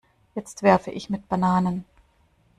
Jetzt werfe ich mit Bananen.